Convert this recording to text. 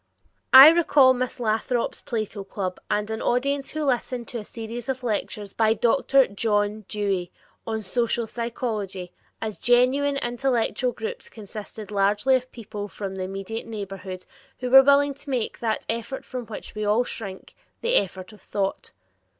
I recall Miss Lathrop's Plato club and an audience who listened to a series of lectures by Dr. John Dewey on "Social Psychology" as geniune intellectual groups consisting largely of people from the immediate neighborhood, who were willing to make "that effort from which we all shrink, the effort of thought."